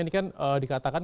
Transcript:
ini kan dikatakan